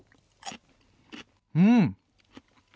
うん！